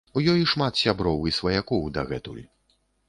У ёй шмат сяброў і сваякоў дагэтуль.